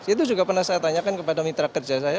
itu juga pernah saya tanyakan kepada mitra kerja saya